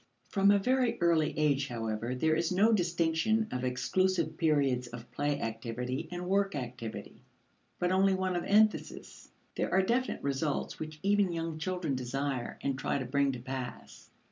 From a very early age, however, there is no distinction of exclusive periods of play activity and work activity, but only one of emphasis. There are definite results which even young children desire, and try to bring to pass.